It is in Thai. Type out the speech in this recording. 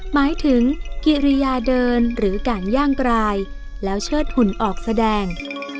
หมายถึงกิริยาเดินหรือการย่างกรายแล้วเชิดหุ่นออกแสดง